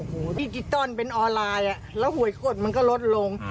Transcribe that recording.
โอ้โหดิจิตอลเป็นออนไลน์แล้วหวยกดมันก็ลดลง